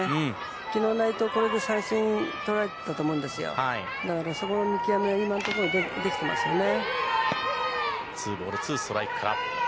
昨日、内藤はこれで三振とられたと思うんですがだから、そこの見極めは今のところできてますよね。